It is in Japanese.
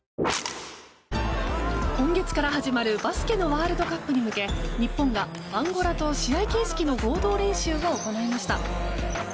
今月から始まるバスケのワールドカップに向け日本がアンゴラと試合形式の合同練習を行いました。